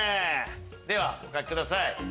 ではお書きください。